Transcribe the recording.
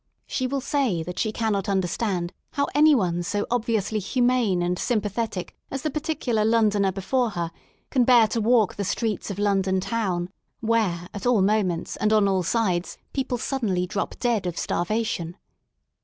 She will say that she cannot understand how anyone so obviously humane and sympathetic as the particular Londoner before her, can bear to walk the streets of London town, where, at all moments and on all sides, people suddenly drop dead of starvation.